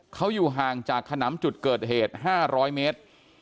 เขาอยู่ห่างจากขนำจุดเกิดเหตุ๕๐๐เมตร